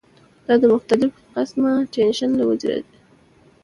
دا د مختلف قسمه ټېنشن له وجې راځی